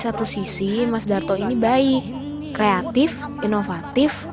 stylelijk di bandara